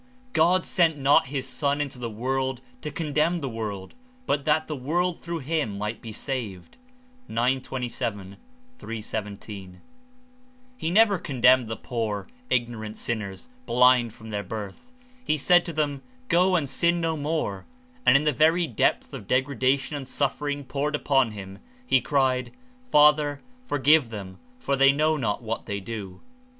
'^God sent not his Son into the world to condemn the world, but that the world through him might he saved.'' (9 127 3.17.) He never condemned the poor, ignorant sin ers, "blind from their birth." He said to them, "Go and sin no more," and in the very depth of degrada tion and suffering poured upon him, he cried, "Father forgive them for they know not what they do."